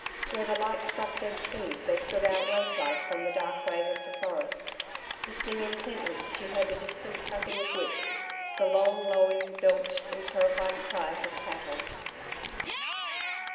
Where the light struck dead trees they stood out wraith like from the dark wave of the forest. Listening intently, she heard the distant cracking of whips, the long lowing, belched and terrified cries of cattle.